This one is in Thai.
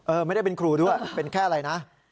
ไม่ได้เป็นครูด้วยเป็นแค่อะไรนะ